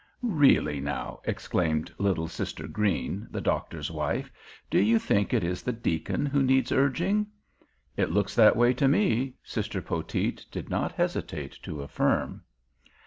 "Really, now," exclaimed little Sister Green, the doctor's wife, "do you think it is the deacon who needs urging?" "It looks that way to me," Sister Poteet did not hesitate to affirm.